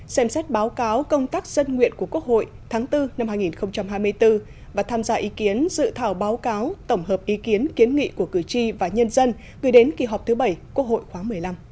xem xét báo cáo công tác dân nguyện của quốc hội tháng bốn năm hai nghìn hai mươi bốn và tham gia ý kiến dự thảo báo cáo tổng hợp ý kiến kiến nghị của cử tri và nhân dân gửi đến kỳ họp thứ bảy quốc hội khoáng một mươi năm